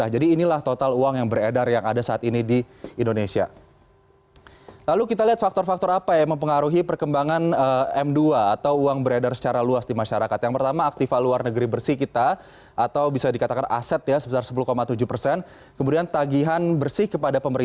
jadi ini adalah hal yang harus diwaspadai